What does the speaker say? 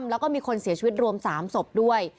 แล้วก็มีคนเสียชีวิตรวม๓ศพด้วย